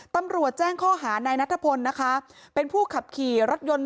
ตำรวจแจ้งข้อหานายนัทพลนะคะเป็นผู้ขับขี่รถยนต์